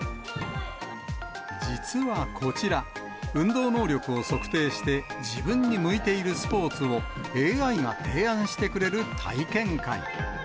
実はこちら、運動能力を測定して、自分に向いているスポーツをＡＩが提案してくれる体験会。